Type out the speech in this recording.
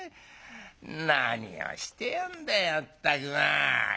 「何をしてやんだいまったくまあ。